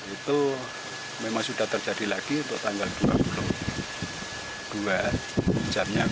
itu memang sudah terjadi lagi untuk tanggal dua puluh dua jamnya satu empat puluh tujuh